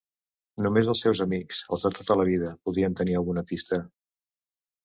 Només els seus amics, els de tota la vida, podien tenir alguna pista.